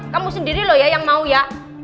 kamu sendiri loh ya yang mau ya